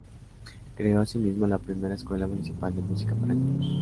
Creó asimismo la primera Escuela Municipal de Música para Niños.